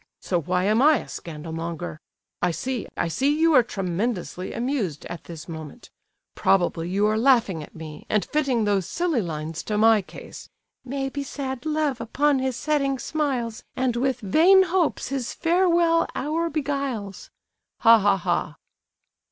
So why am I a scandal monger? I see—I see you are tremendously amused, at this moment! Probably you are laughing at me and fitting those silly lines to my case— "'Maybe sad Love upon his setting smiles, And with vain hopes his farewell hour beguiles.' "Ha, ha, ha!"